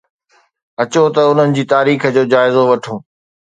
اچو ته انهن جي تاريخ جو جائزو وٺون